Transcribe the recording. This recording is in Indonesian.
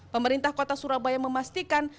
pemerintah kota surabaya memastikan